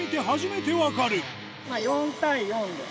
４対４で。